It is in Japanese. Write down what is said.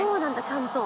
ちゃんと。